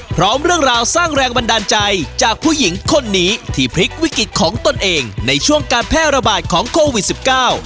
พร้อมเรื่องราวสร้างแรงบันดาลใจจากผู้หญิงคนนี้ที่พลิกวิกฤตของตนเองในช่วงการแพร่ระบาดของโควิดสิบเก้า